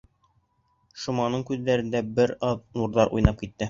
Шоманың күҙҙәрендә бер аҙ нурҙар уйнап китте.